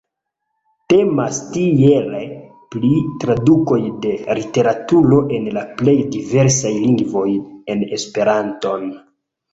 Temas tiele pri tradukoj de literaturo el la plej diversaj lingvoj en Esperanton.